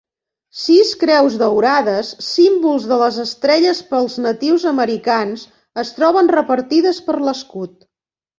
Sis creus daurades, símbols de les estrelles pels natius americans, es troben repartides per l'escut.